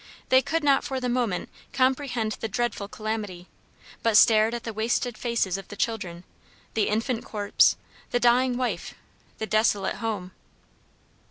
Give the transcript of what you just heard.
They could not for the moment comprehend the dreadful calamity, but stared at the wasted faces of the children, the infant corpse, the dying wife, the desolate home.